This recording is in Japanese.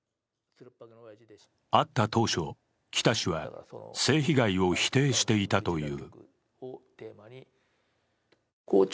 会った当初、北氏は性被害を否定していたという。